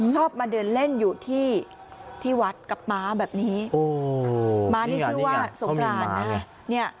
ชอบมาเดินเล่นอยู่ที่ที่วัดกับม้าแบบนี้ม้านี่ชื่อว่าสงกรานนะเนี่ย